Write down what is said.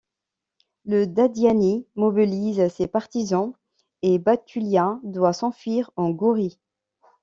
Le Dadiani mobilise ses partisan et Batulia doit s'enfuir en Gourie.